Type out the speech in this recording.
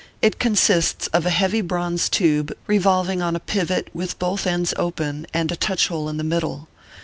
It consists of a heavy bronze tube, revolving on a pivot, with both ends open, and a touch hole in the middle.